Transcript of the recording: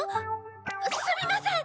すみません！